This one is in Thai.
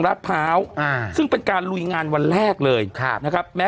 พร้าวอ่าซึ่งเป็นการลุยงานวันแรกเลยครับนะครับแม้